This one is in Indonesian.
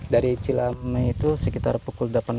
dari cilame itu sekitar pukul delapan belas